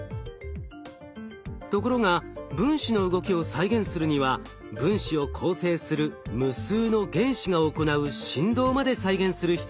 ところが分子の動きを再現するには分子を構成する無数の原子が行う振動まで再現する必要があります。